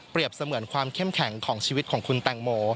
เสมือนความเข้มแข็งของชีวิตของคุณแตงโม